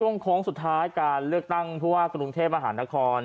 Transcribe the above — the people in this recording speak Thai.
โค้งสุดท้ายการเลือกตั้งผู้ว่ากรุงเทพมหานคร